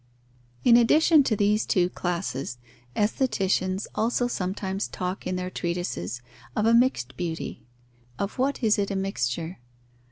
_ In addition to these two classes, aestheticians also sometimes talk in their treatises of a mixed beauty. Of what is it a mixture?